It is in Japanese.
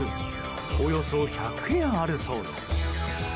およそ１００部屋あるそうです。